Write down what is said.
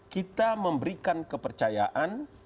kita memberikan kepercayaan